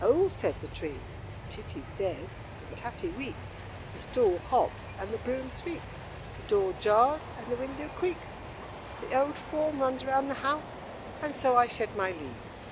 "Oh!" said the tree, "Titty's dead, and Tatty weeps, the stool hops, and the broom sweeps, the door jars, and the window creaks, the old form runs round the house, and so I shed my leaves."